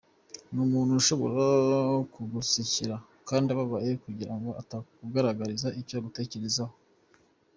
Ni umuntu ushobora kugusekera kandi ababaye kugira ngo atakugaragariza icyo agutekerezaho.